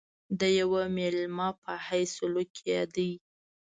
د یوه مېلمه په حیث سلوک کېدی.